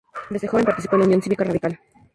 Desde joven participó en la Unión Cívica Radical.